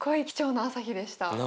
なあ。